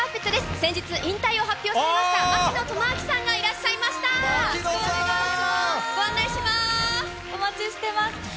先日、引退を発表されました槙野智章さんがいらっしゃいましたー。